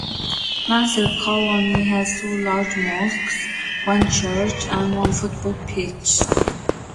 Nasir Colony has two large mosques, one church, and one football pitch.